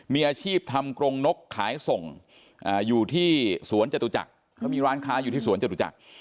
มีอาชีพทำกรงนกขายส่งอยู่ที่สวนจตุจักรเขามีร้านค้าอยู่ที่สวนจตุจักร